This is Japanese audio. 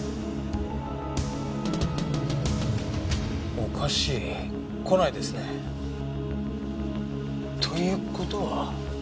おかしい来ないですね。という事は。